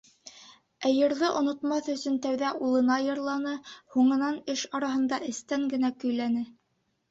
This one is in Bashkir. Ә йырҙы онотмаҫ өсөн тәүҙә улына йырланы, һуңынан эш араһында эстән генә кәйләне.